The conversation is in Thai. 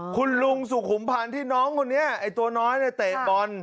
คุณลุงสุขุมพันที่น้องคนเนี้ยตัวน้อยเตะบอล